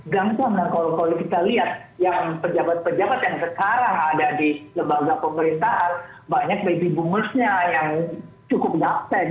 gampang dan kalau kita lihat yang pejabat pejabat yang sekarang ada di lembaga pemerintahan banyak baby boomersnya yang cukup gapten